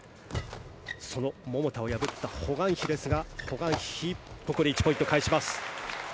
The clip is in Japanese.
その桃田を破ったホ・グァンヒですがホ・グァンヒここで１ポイント返します。